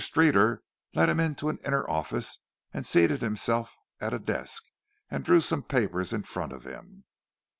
Streeter led him into an inner office and seated himself at a desk and drew some papers in front of him.